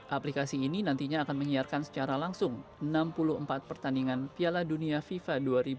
aplikasi ini nantinya akan menyiarkan secara langsung enam puluh empat pertandingan piala dunia fifa dua ribu dua puluh